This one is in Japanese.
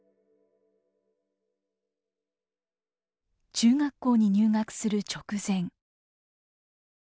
中学校に入学する直前。